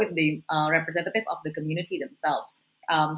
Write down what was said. juga dengan representatif komunitas sendiri